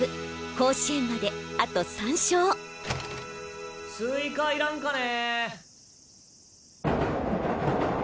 甲子園まであと３勝スイカいらんかね。